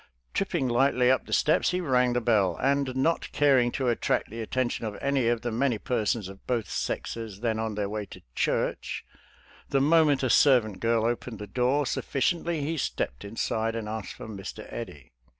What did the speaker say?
Tripping lightly up the steps, he rang the bell,' and' inot caring to attract the attention of any of the many persons of both sexes then on their way to church, the moment a servant girl opened thei door sufficiently he stepped inside and asked for Mr. Eddy.